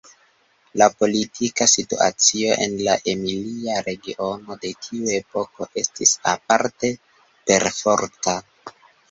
La politika situacio en la Emilia regiono de tiu epoko estis aparte perforta.